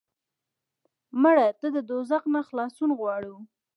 مړه ته د دوزخ نه خلاصون غواړو